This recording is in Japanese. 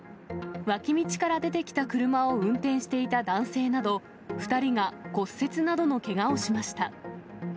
脇道から出てきた車を運転していた男性など、２人が骨折などのけがをしました。